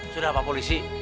sudah pak polisi